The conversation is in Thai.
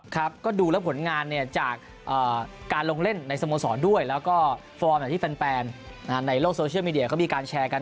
ครับก็ดูแล้วผลงานเนี่ยจากการลงเล่นในสโมสรด้วยแล้วก็ฟอร์มอย่างที่แฟนในโลกโซเชียลมีเดียเขามีการแชร์กัน